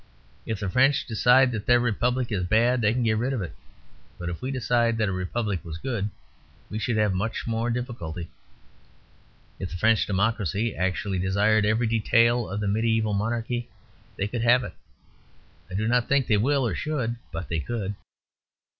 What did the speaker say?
If the French decide that their Republic is bad they can get rid of it; but if we decide that a Republic was good, we should have much more difficulty. If the French democracy actually desired every detail of the mediæval monarchy, they could have it. I do not think they will or should, but they could.